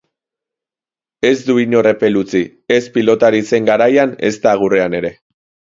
Ez du inor epel utzi, ez pilotari zen garaian ezta agurrean ere.